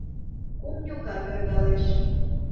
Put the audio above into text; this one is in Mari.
Кум ньога пӧрдалеш.